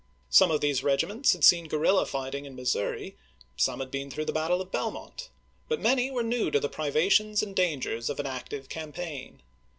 Some of these regiments had seen guerrilla fighting in Missouri, some had been through the battle of Belmont, but many were new to the priva tions and dangers of an active campaign.